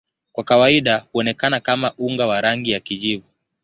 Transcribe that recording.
Kwa kawaida huonekana kama unga wa rangi ya kijivu.